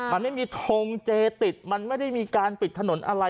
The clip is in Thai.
มันไม่มีทงเจติดมันไม่ได้มีการปิดถนนอะไร